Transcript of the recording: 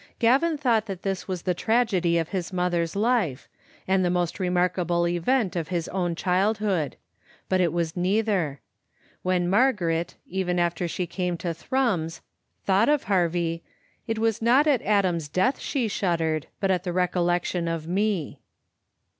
Gavin thought that this was the tragedy of his mother's life, and the most memorable event of his own childhood. But it was neither. When Margaret, even after she came to Thrums, thought of Harvie, it was not at Adam's death she shuddered, but at the recollec tion of me.